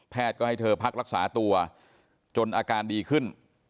ก็ให้เธอพักรักษาตัวจนอาการดีขึ้น